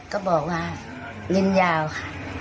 ก็บอกว่าลิ้นยาวค่ะ